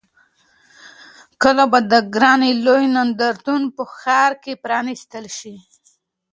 کله به د کرنې لوی نندارتون په ښار کې پرانیستل شي؟